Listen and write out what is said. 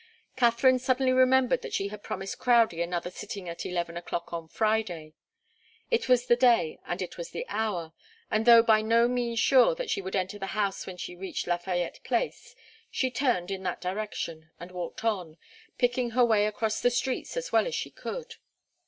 Katharine suddenly remembered that she had promised Crowdie another sitting at eleven o'clock on Friday. It was the day and it was the hour, and though by no means sure that she would enter the house when she reached Lafayette Place, she turned in that direction and walked on, picking her way across the streets as well as she could.